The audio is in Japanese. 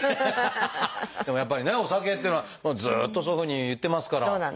でもやっぱりねお酒っていうのはずっとそういうふうに言ってますから。